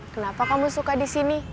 kenapa kamu suka di sini